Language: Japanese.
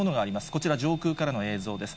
こちら上空からの映像です。